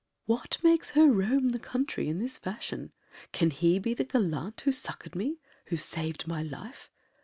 What makes her roam the country in this fashion? Can he be the gallant who succored me? Who saved my life?